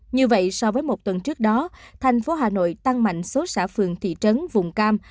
như vậy so với một tuần trước đó thành phố hà nội tăng mạnh số xã phường thị trấn vùng cam